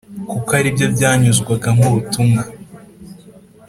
kuko ari byo byanyuzwagamo ubutumwa